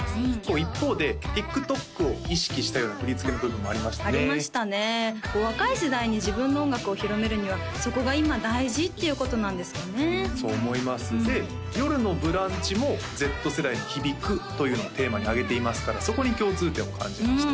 一方でＴｉｋＴｏｋを意識したような振り付けの部分もありましたねありましたね若い世代に自分の音楽を広めるにはそこが今大事っていうことなんですかねそう思いますで「よるのブランチ」も「Ｚ世代に響く」というのをテーマに挙げていますからそこに共通点を感じました